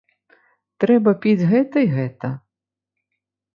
Трэба піць гэта і гэта.